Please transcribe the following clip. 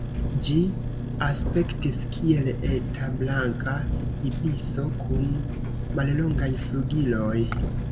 Ĝi aspektis kiel eta Blanka ibiso kun mallongaj flugiloj.